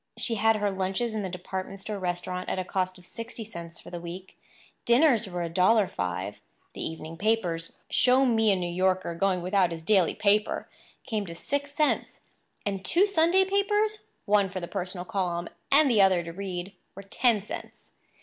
She had her lunches in the department store restaurant at a cost of sixty cents for the week; dinners were $1.05. The evening papers—show me a New Yorker going without his daily paper!—came to six cents; and two Sunday papers—one for the personal column and the other to read—were ten cents.